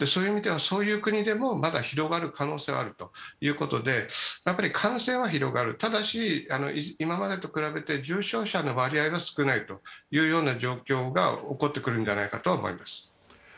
そういう国でもまだ広がる可能性があるということで、感染は広がる、ただし今までと比べて重症者の割合は少ないというような状況が起こってくるんじゃないかと思います。